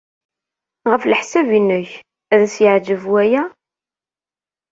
Ɣef leḥsab-nnek, ad as-yeɛjeb waya?